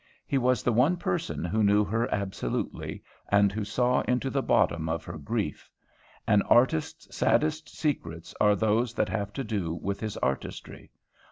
He was the one person who knew her absolutely and who saw into the bottom of her grief. An artist's saddest secrets are those that have to do with his artistry.